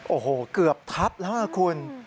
โอ้โหเกือบทับแล้วคุณ